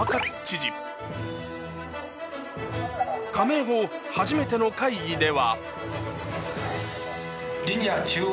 談糎初めての会議では。